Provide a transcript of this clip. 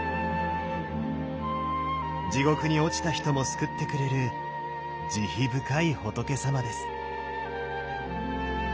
地獄に落ちた人も救ってくれる慈悲深い仏様です。